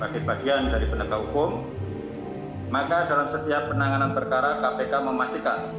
dari penganggilan dari penderka hukum maka dalam setiap penanganan perkara kpk memastikan